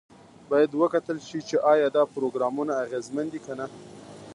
باید وکتل شي چې ایا دا پروګرامونه اغیزمن دي که نه.